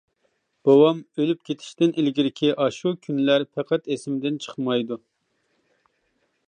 بوۋام ئۆلۈپ كېتىشتىن ئىلگىرىكى ئاشۇ كۈنلەر پەقەت ئىسىمدىن چىقمايدۇ.